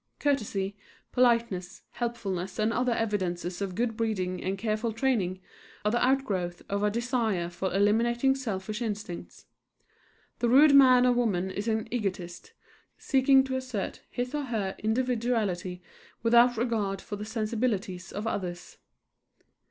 Courtesy, politeness, helpfulness, and other evidences of good breeding and careful training, are the outgrowth of a desire for eliminating selfish instincts. The rude man or woman is an egotist, seeking to assert his or her individuality without regard for the sensibilities of others.